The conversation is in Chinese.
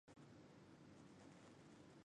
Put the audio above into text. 南丰县是中国江西省抚州市所辖的一个县。